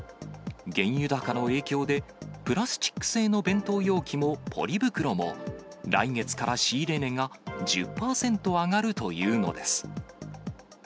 原油高の影響で、プラスチック製の弁当容器もポリ袋も、来月から仕入れ値が１０％上がるというのです。